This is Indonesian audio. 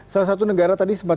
salah satu negara tadi sempat